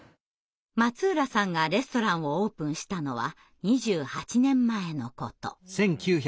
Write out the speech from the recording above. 松浦さんがレストランをオープンしたのは２８年前のこと。